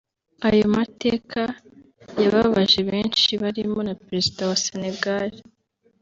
Ayo mateka yababaje benshi barimo na Perezida wa Sénégal